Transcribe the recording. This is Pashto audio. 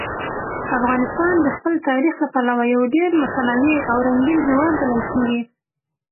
افغانستان د خپل تاریخ له پلوه یو ډېر متنوع او رنګین هېواد بلل کېږي.